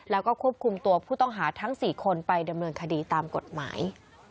แล้วก็ควบคุมตัวผู้ต้องหาทั้ง๔คนไปดำเนินคดีตามกฎหมาย